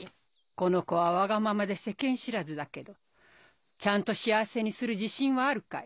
この子はわがままで世間知らずだけどちゃんと幸せにする自信はあるかい？